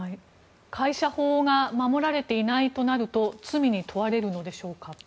会社法が守られていないとなると罪に問われるのでしょうか。